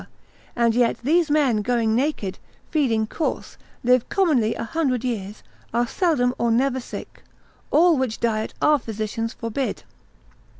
and yet these men going naked, feeding coarse, live commonly a hundred years, are seldom or never sick; all which diet our physicians forbid.